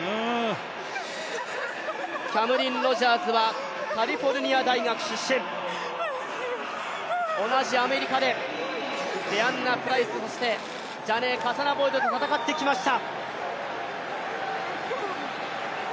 キャムリン・ロジャーズはカリフォルニア大学出身、同じアメリカでデアンナプライスそしてジャネー・カサナボイドと戦ってきました。